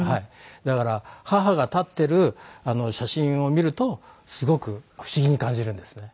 だから母が立っている写真を見るとすごく不思議に感じるんですね。